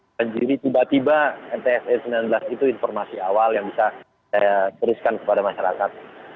jadi tiba tiba mtsn sembilan belas itu informasi awal yang bisa saya teruskan kepada masyarakat